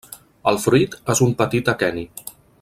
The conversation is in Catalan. El fruit és un petit aqueni.